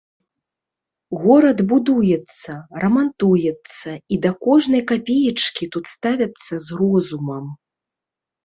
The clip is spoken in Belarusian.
Горад будуецца, рамантуецца і да кожнай капеечкі тут ставяцца з розумам.